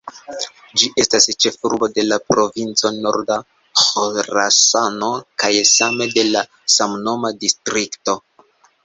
Ĝi estas ĉefurbo de la Provinco Norda Ĥorasano kaj same de la samnoma distrikto.